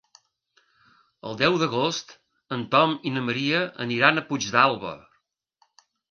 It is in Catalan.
El deu d'agost en Tom i na Maria aniran a Puigdàlber.